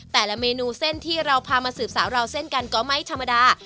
แต่ละเมนูเส้นที่เราพามาสืบสาวราวเส้นกันก็ไม่ธรรมดา